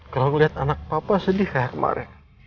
kalau melihat anak papa sedih kayak kemarin